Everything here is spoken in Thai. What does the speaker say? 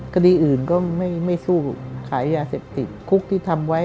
คติอื่นไม่สู้โทกประหลาดขายยาเสพติดคุกที่ทำไว้